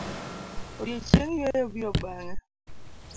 Odiochieng' yueyo biro bang'e.